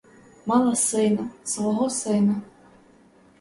Мала сина, свого сина!